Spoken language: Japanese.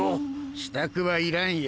支度はいらんよ